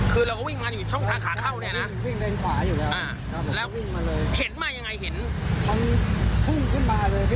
จากตาเลยเห็นขาตาเลยใช่ไหม